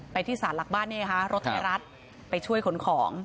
ที่สารหลักบ้านนี่ค่ะรถไทยรัฐไปช่วยขนของ